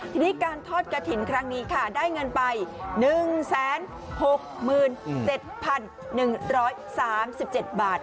ทีนี้การทอดกระถิ่นครั้งนี้ค่ะได้เงินไป๑๖๗๑๓๗บาท